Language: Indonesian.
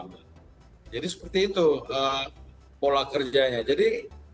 jadi seperti itu pola kerjanya jadi pola kerjanya jadi seperti itu pola kerjanya jadi